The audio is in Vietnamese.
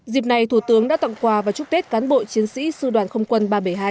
dịp này thủ tướng đã tặng quà và chúc tết cán bộ chiến sĩ sư đoàn không quân ba trăm bảy mươi hai